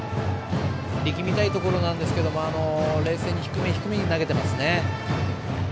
力みたいところなんですが冷静に低め低めに投げていますね。